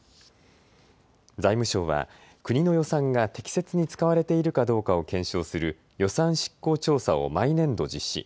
財務省は国の予算が適切に使われているかどうかを検証する予算執行調査を毎年度実施。